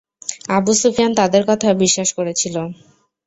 Abu Sufyan তাদের কথা বিশ্বাস করেছিল।